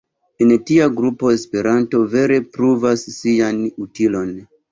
En tia grupo Esperanto vere pruvas sian utilon.